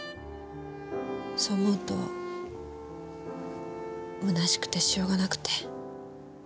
そう思うと虚しくてしょうがなくて。